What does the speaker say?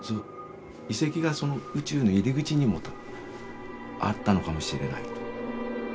遺跡がその宇宙の入り口にもあったのかもしれないと。